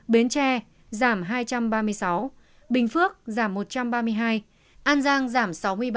bến tre giảm hai trăm ba mươi sáu bình phước giảm một trăm ba mươi hai an giang giảm sáu mươi ba